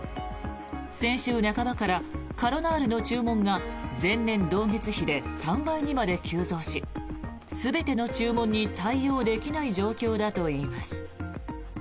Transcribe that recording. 先週半ばからカロナールの注文が前年同月比で３倍にまで急増し全ての注文に対応できない状況だといいます。